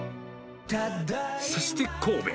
そして神戸。